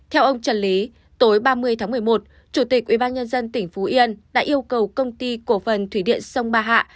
theo ông trần lý tối ba mươi tháng một mươi một chủ tịch ubnd tỉnh phú yên đã yêu cầu công ty cổ phần thủy điện sông ba hạ